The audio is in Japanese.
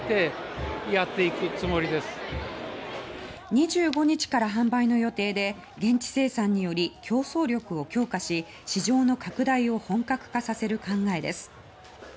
２５日から販売の予定で現地生産により競争力を強化し市場の拡大を本格化させる考えです。